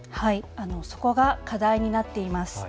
そこが課題になっています。